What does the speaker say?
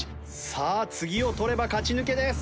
さあ次を捕れば勝ち抜けです。